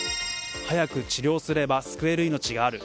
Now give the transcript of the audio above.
早く治療すれば救える命がある。